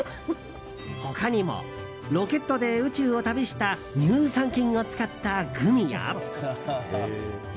他にもロケットで宇宙を旅した乳酸菌を使ったグミや。